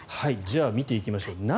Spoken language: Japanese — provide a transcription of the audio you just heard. じゃあ見ていきましょう。